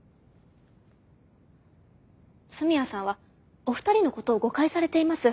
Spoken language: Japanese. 住谷さんはお二人のことを誤解されています。